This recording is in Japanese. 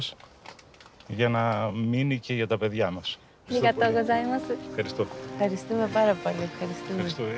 ありがとうございます。